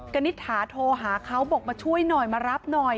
ณิษฐาโทรหาเขาบอกมาช่วยหน่อยมารับหน่อย